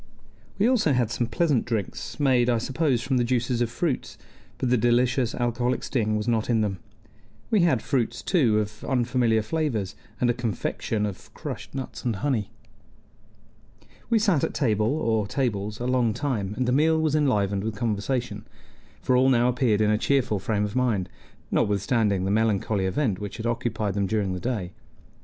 We also had some pleasant drinks, made, I suppose, from the juices of fruits, but the delicious alcoholic sting was not in them. We had fruits, too, of unfamiliar flavors, and a confection of crushed nuts and honey. We sat at table or tables a long time, and the meal was enlivened with conversation; for all now appeared in a cheerful frame of mind, notwithstanding the melancholy event which had occupied them during the day.